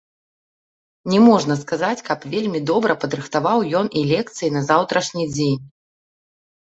Не можна сказаць, каб вельмі добра падрыхтаваў ён і лекцыі на заўтрашні дзень.